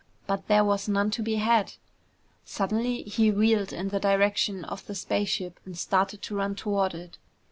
But there was none to be had. Suddenly he wheeled in the direction of the spaceship and started to run toward it.